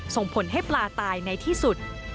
ส่งผลให้ปลาตายในที่สุด